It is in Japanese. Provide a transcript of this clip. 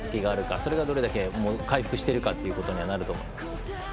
それが、どれだけ回復しているかっていうことになると思います。